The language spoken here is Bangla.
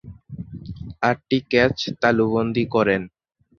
আটটি ক্যাচ তালুবন্দী করেন।